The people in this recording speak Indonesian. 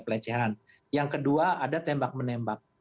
pelecehan yang kedua ada tembak menembak